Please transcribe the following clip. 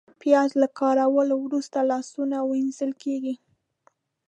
پیاز له کارولو وروسته لاسونه وینځل کېږي